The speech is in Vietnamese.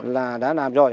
là đã làm rồi